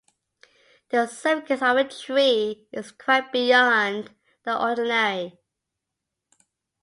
The significance of a tree is quite beyond the ordinary.